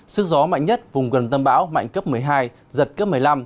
sức gió mạnh nhất vùng gần tâm bão mạnh cấp một mươi hai giật cấp một mươi năm